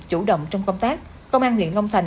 chủ động trong công tác công an huyện long thành